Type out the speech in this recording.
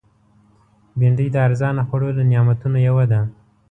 بېنډۍ د ارزانه خوړو له نعمتونو یوه ده